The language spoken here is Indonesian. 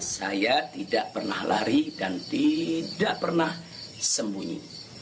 saya tidak pernah lari dan tidak pernah sembunyi